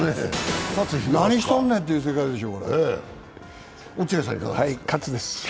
何しとんねんっていう世界でしょ。